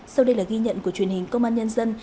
sau đây là ghi nhận của truyền hình công an nhân dân